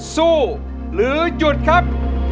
สู้หรือหยุดครับ